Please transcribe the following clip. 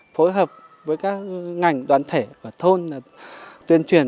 phối hợp với các ngành đoàn thể và thôn tuyên truyền